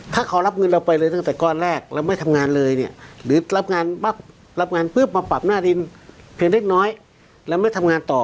ถ้าเขารับเงินเราไปเลยตั้งแต่ก้อนแรกเราไม่ทำงานเลยเนี่ยหรือรับงานปั๊บรับงานปุ๊บมาปรับหน้าดินเพียงเล็กน้อยแล้วไม่ทำงานต่อ